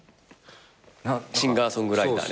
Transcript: シンガー・ソングライターね。